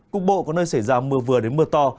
cục bộ có nơi xảy ra mưa vừa đến mưa to